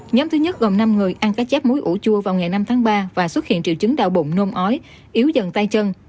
nhóm thứ nhất gồm năm người ăn các chép muối ủ chua vào ngày năm tháng ba và xuất hiện triệu chứng đau bụng nôn ói yếu dần tay chân